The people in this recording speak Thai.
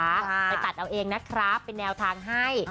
ไปตัดเอาเองนะครับเป็นแนวทางให้